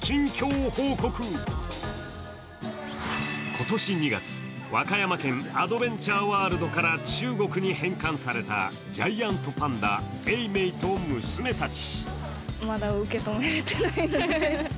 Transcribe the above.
今年２月、和歌山県アドベンチャーワールドから中国に返還されたジャイアントパンダ、永明と娘たち。